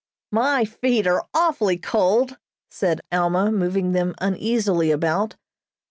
"My feet are awfully cold," said Alma, moving them uneasily about.